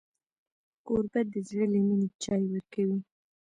کوربه د زړه له مینې چای ورکوي.